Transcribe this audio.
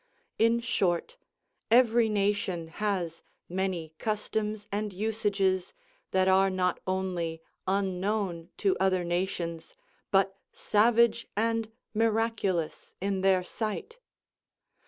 In short, every nation has many customs and usages that are not only unknown to other nations, but savage and miraculous in their sight.